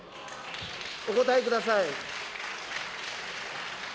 お答えください。